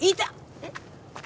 えっ？